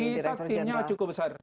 kita timnya cukup besar